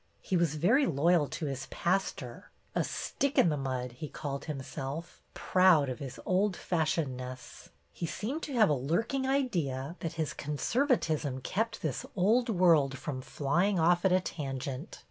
He was very loyal to his pastor. A " stick in the mud," he called himself, proud of his old fashionedness. He seemed to have a lurking idea that his conservatism kept BETTY BAIRD 1 90 this old world from flying off at a tan gent.